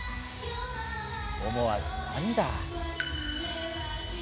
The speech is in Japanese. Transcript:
思わず涙。